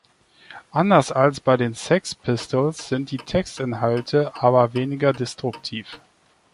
Anders als bei den Sex Pistols sind die Textinhalte aber weniger destruktiv.